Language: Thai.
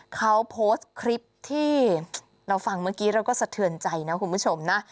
เขาโพสต์คลิปที่เราฟังเมื่อกี้เราก็สะเทือนใจนะคุณผู้ชมนะ